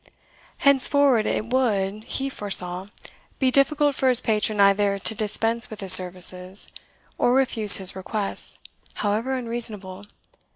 Henceforward it would, he foresaw, be difficult for his patron either to dispense with his services, or refuse his requests, however unreasonable.